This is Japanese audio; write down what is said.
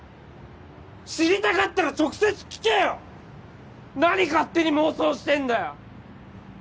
知りたかったら直接聞けよ何勝手に妄想してんだよ